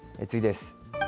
次です。